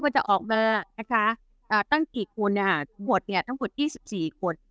ก็จะออกมานะคะอ่าตั้งกี่คนเนี่ยหมดเนี่ยทั้งหมดยี่สิบสี่คน